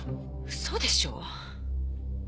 嘘でしょ？